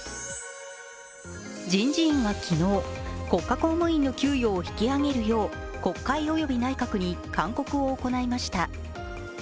人事院は昨日、国家公務員の給与を引き上げるよう国会および内閣に勧告を行いました。